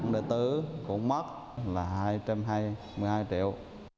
đời tứ cũng mất là hai trăm hai mươi hai triệu